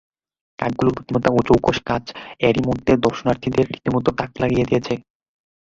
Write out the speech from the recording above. কাকগুলোর বুদ্ধিমত্তা ও চৌকস কাজ এরই মধ্যে দর্শনার্থীদের রীতিমতো তাক লাগিয়ে দিয়েছে।